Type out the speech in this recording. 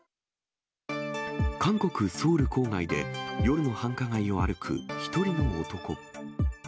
韓国・ソウル郊外で、夜の繁華街を歩く１人の男。